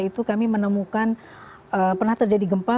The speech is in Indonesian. itu kami menemukan pernah terjadi gempa